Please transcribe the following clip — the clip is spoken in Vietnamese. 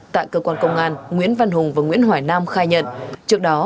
tại cơ quan công an nguyễn văn hùng và nguyễn hỏi nam khai nhận trước đó